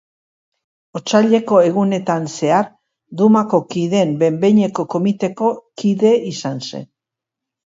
Otsaileko Egunetan zehar, Dumako Kideen Behin-Behineko Komiteko kide izan zen.